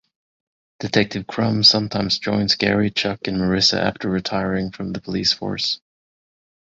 Detective Crumb sometimes joins Gary, Chuck, and Marissa after retiring from the police force.